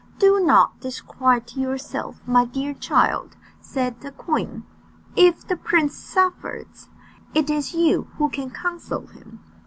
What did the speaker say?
"Do not disquiet yourself, my dear child," said the queen; "if the prince suffers, it is you who can console him.